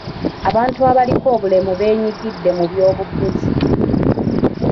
Abantu abaliko obulemu beenyigidde mu byobufuzi.